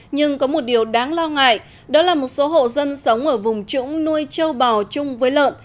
nhưng có một điều đáng lo ngại đó là một số hộ dân sống ở vùng trũng nuôi châu bò chung với lợn